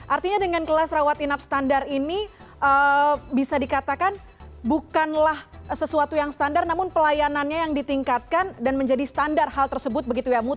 artinya dengan kelas rawat inap standar ini bisa dikatakan bukanlah sesuatu yang standar namun pelayanannya yang ditingkatkan dan menjadi standar hal tersebut begitu ya